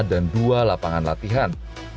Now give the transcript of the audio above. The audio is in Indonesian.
dan dua lapangan latihan